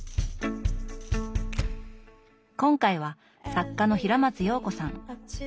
今回は作家の平松洋子さん。